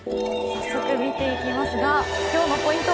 早速見ていきますが、今日はポイント